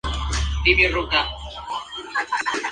Su nombre proviene de la característica de los pastos del lugar.